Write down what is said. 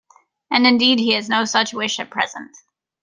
And indeed he has no such wish at present.